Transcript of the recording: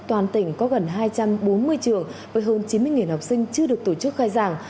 toàn tỉnh có gần hai trăm bốn mươi trường với hơn chín mươi học sinh chưa được tổ chức khai giảng